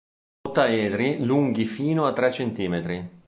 Ottaedri lunghi fino a tre centimetri.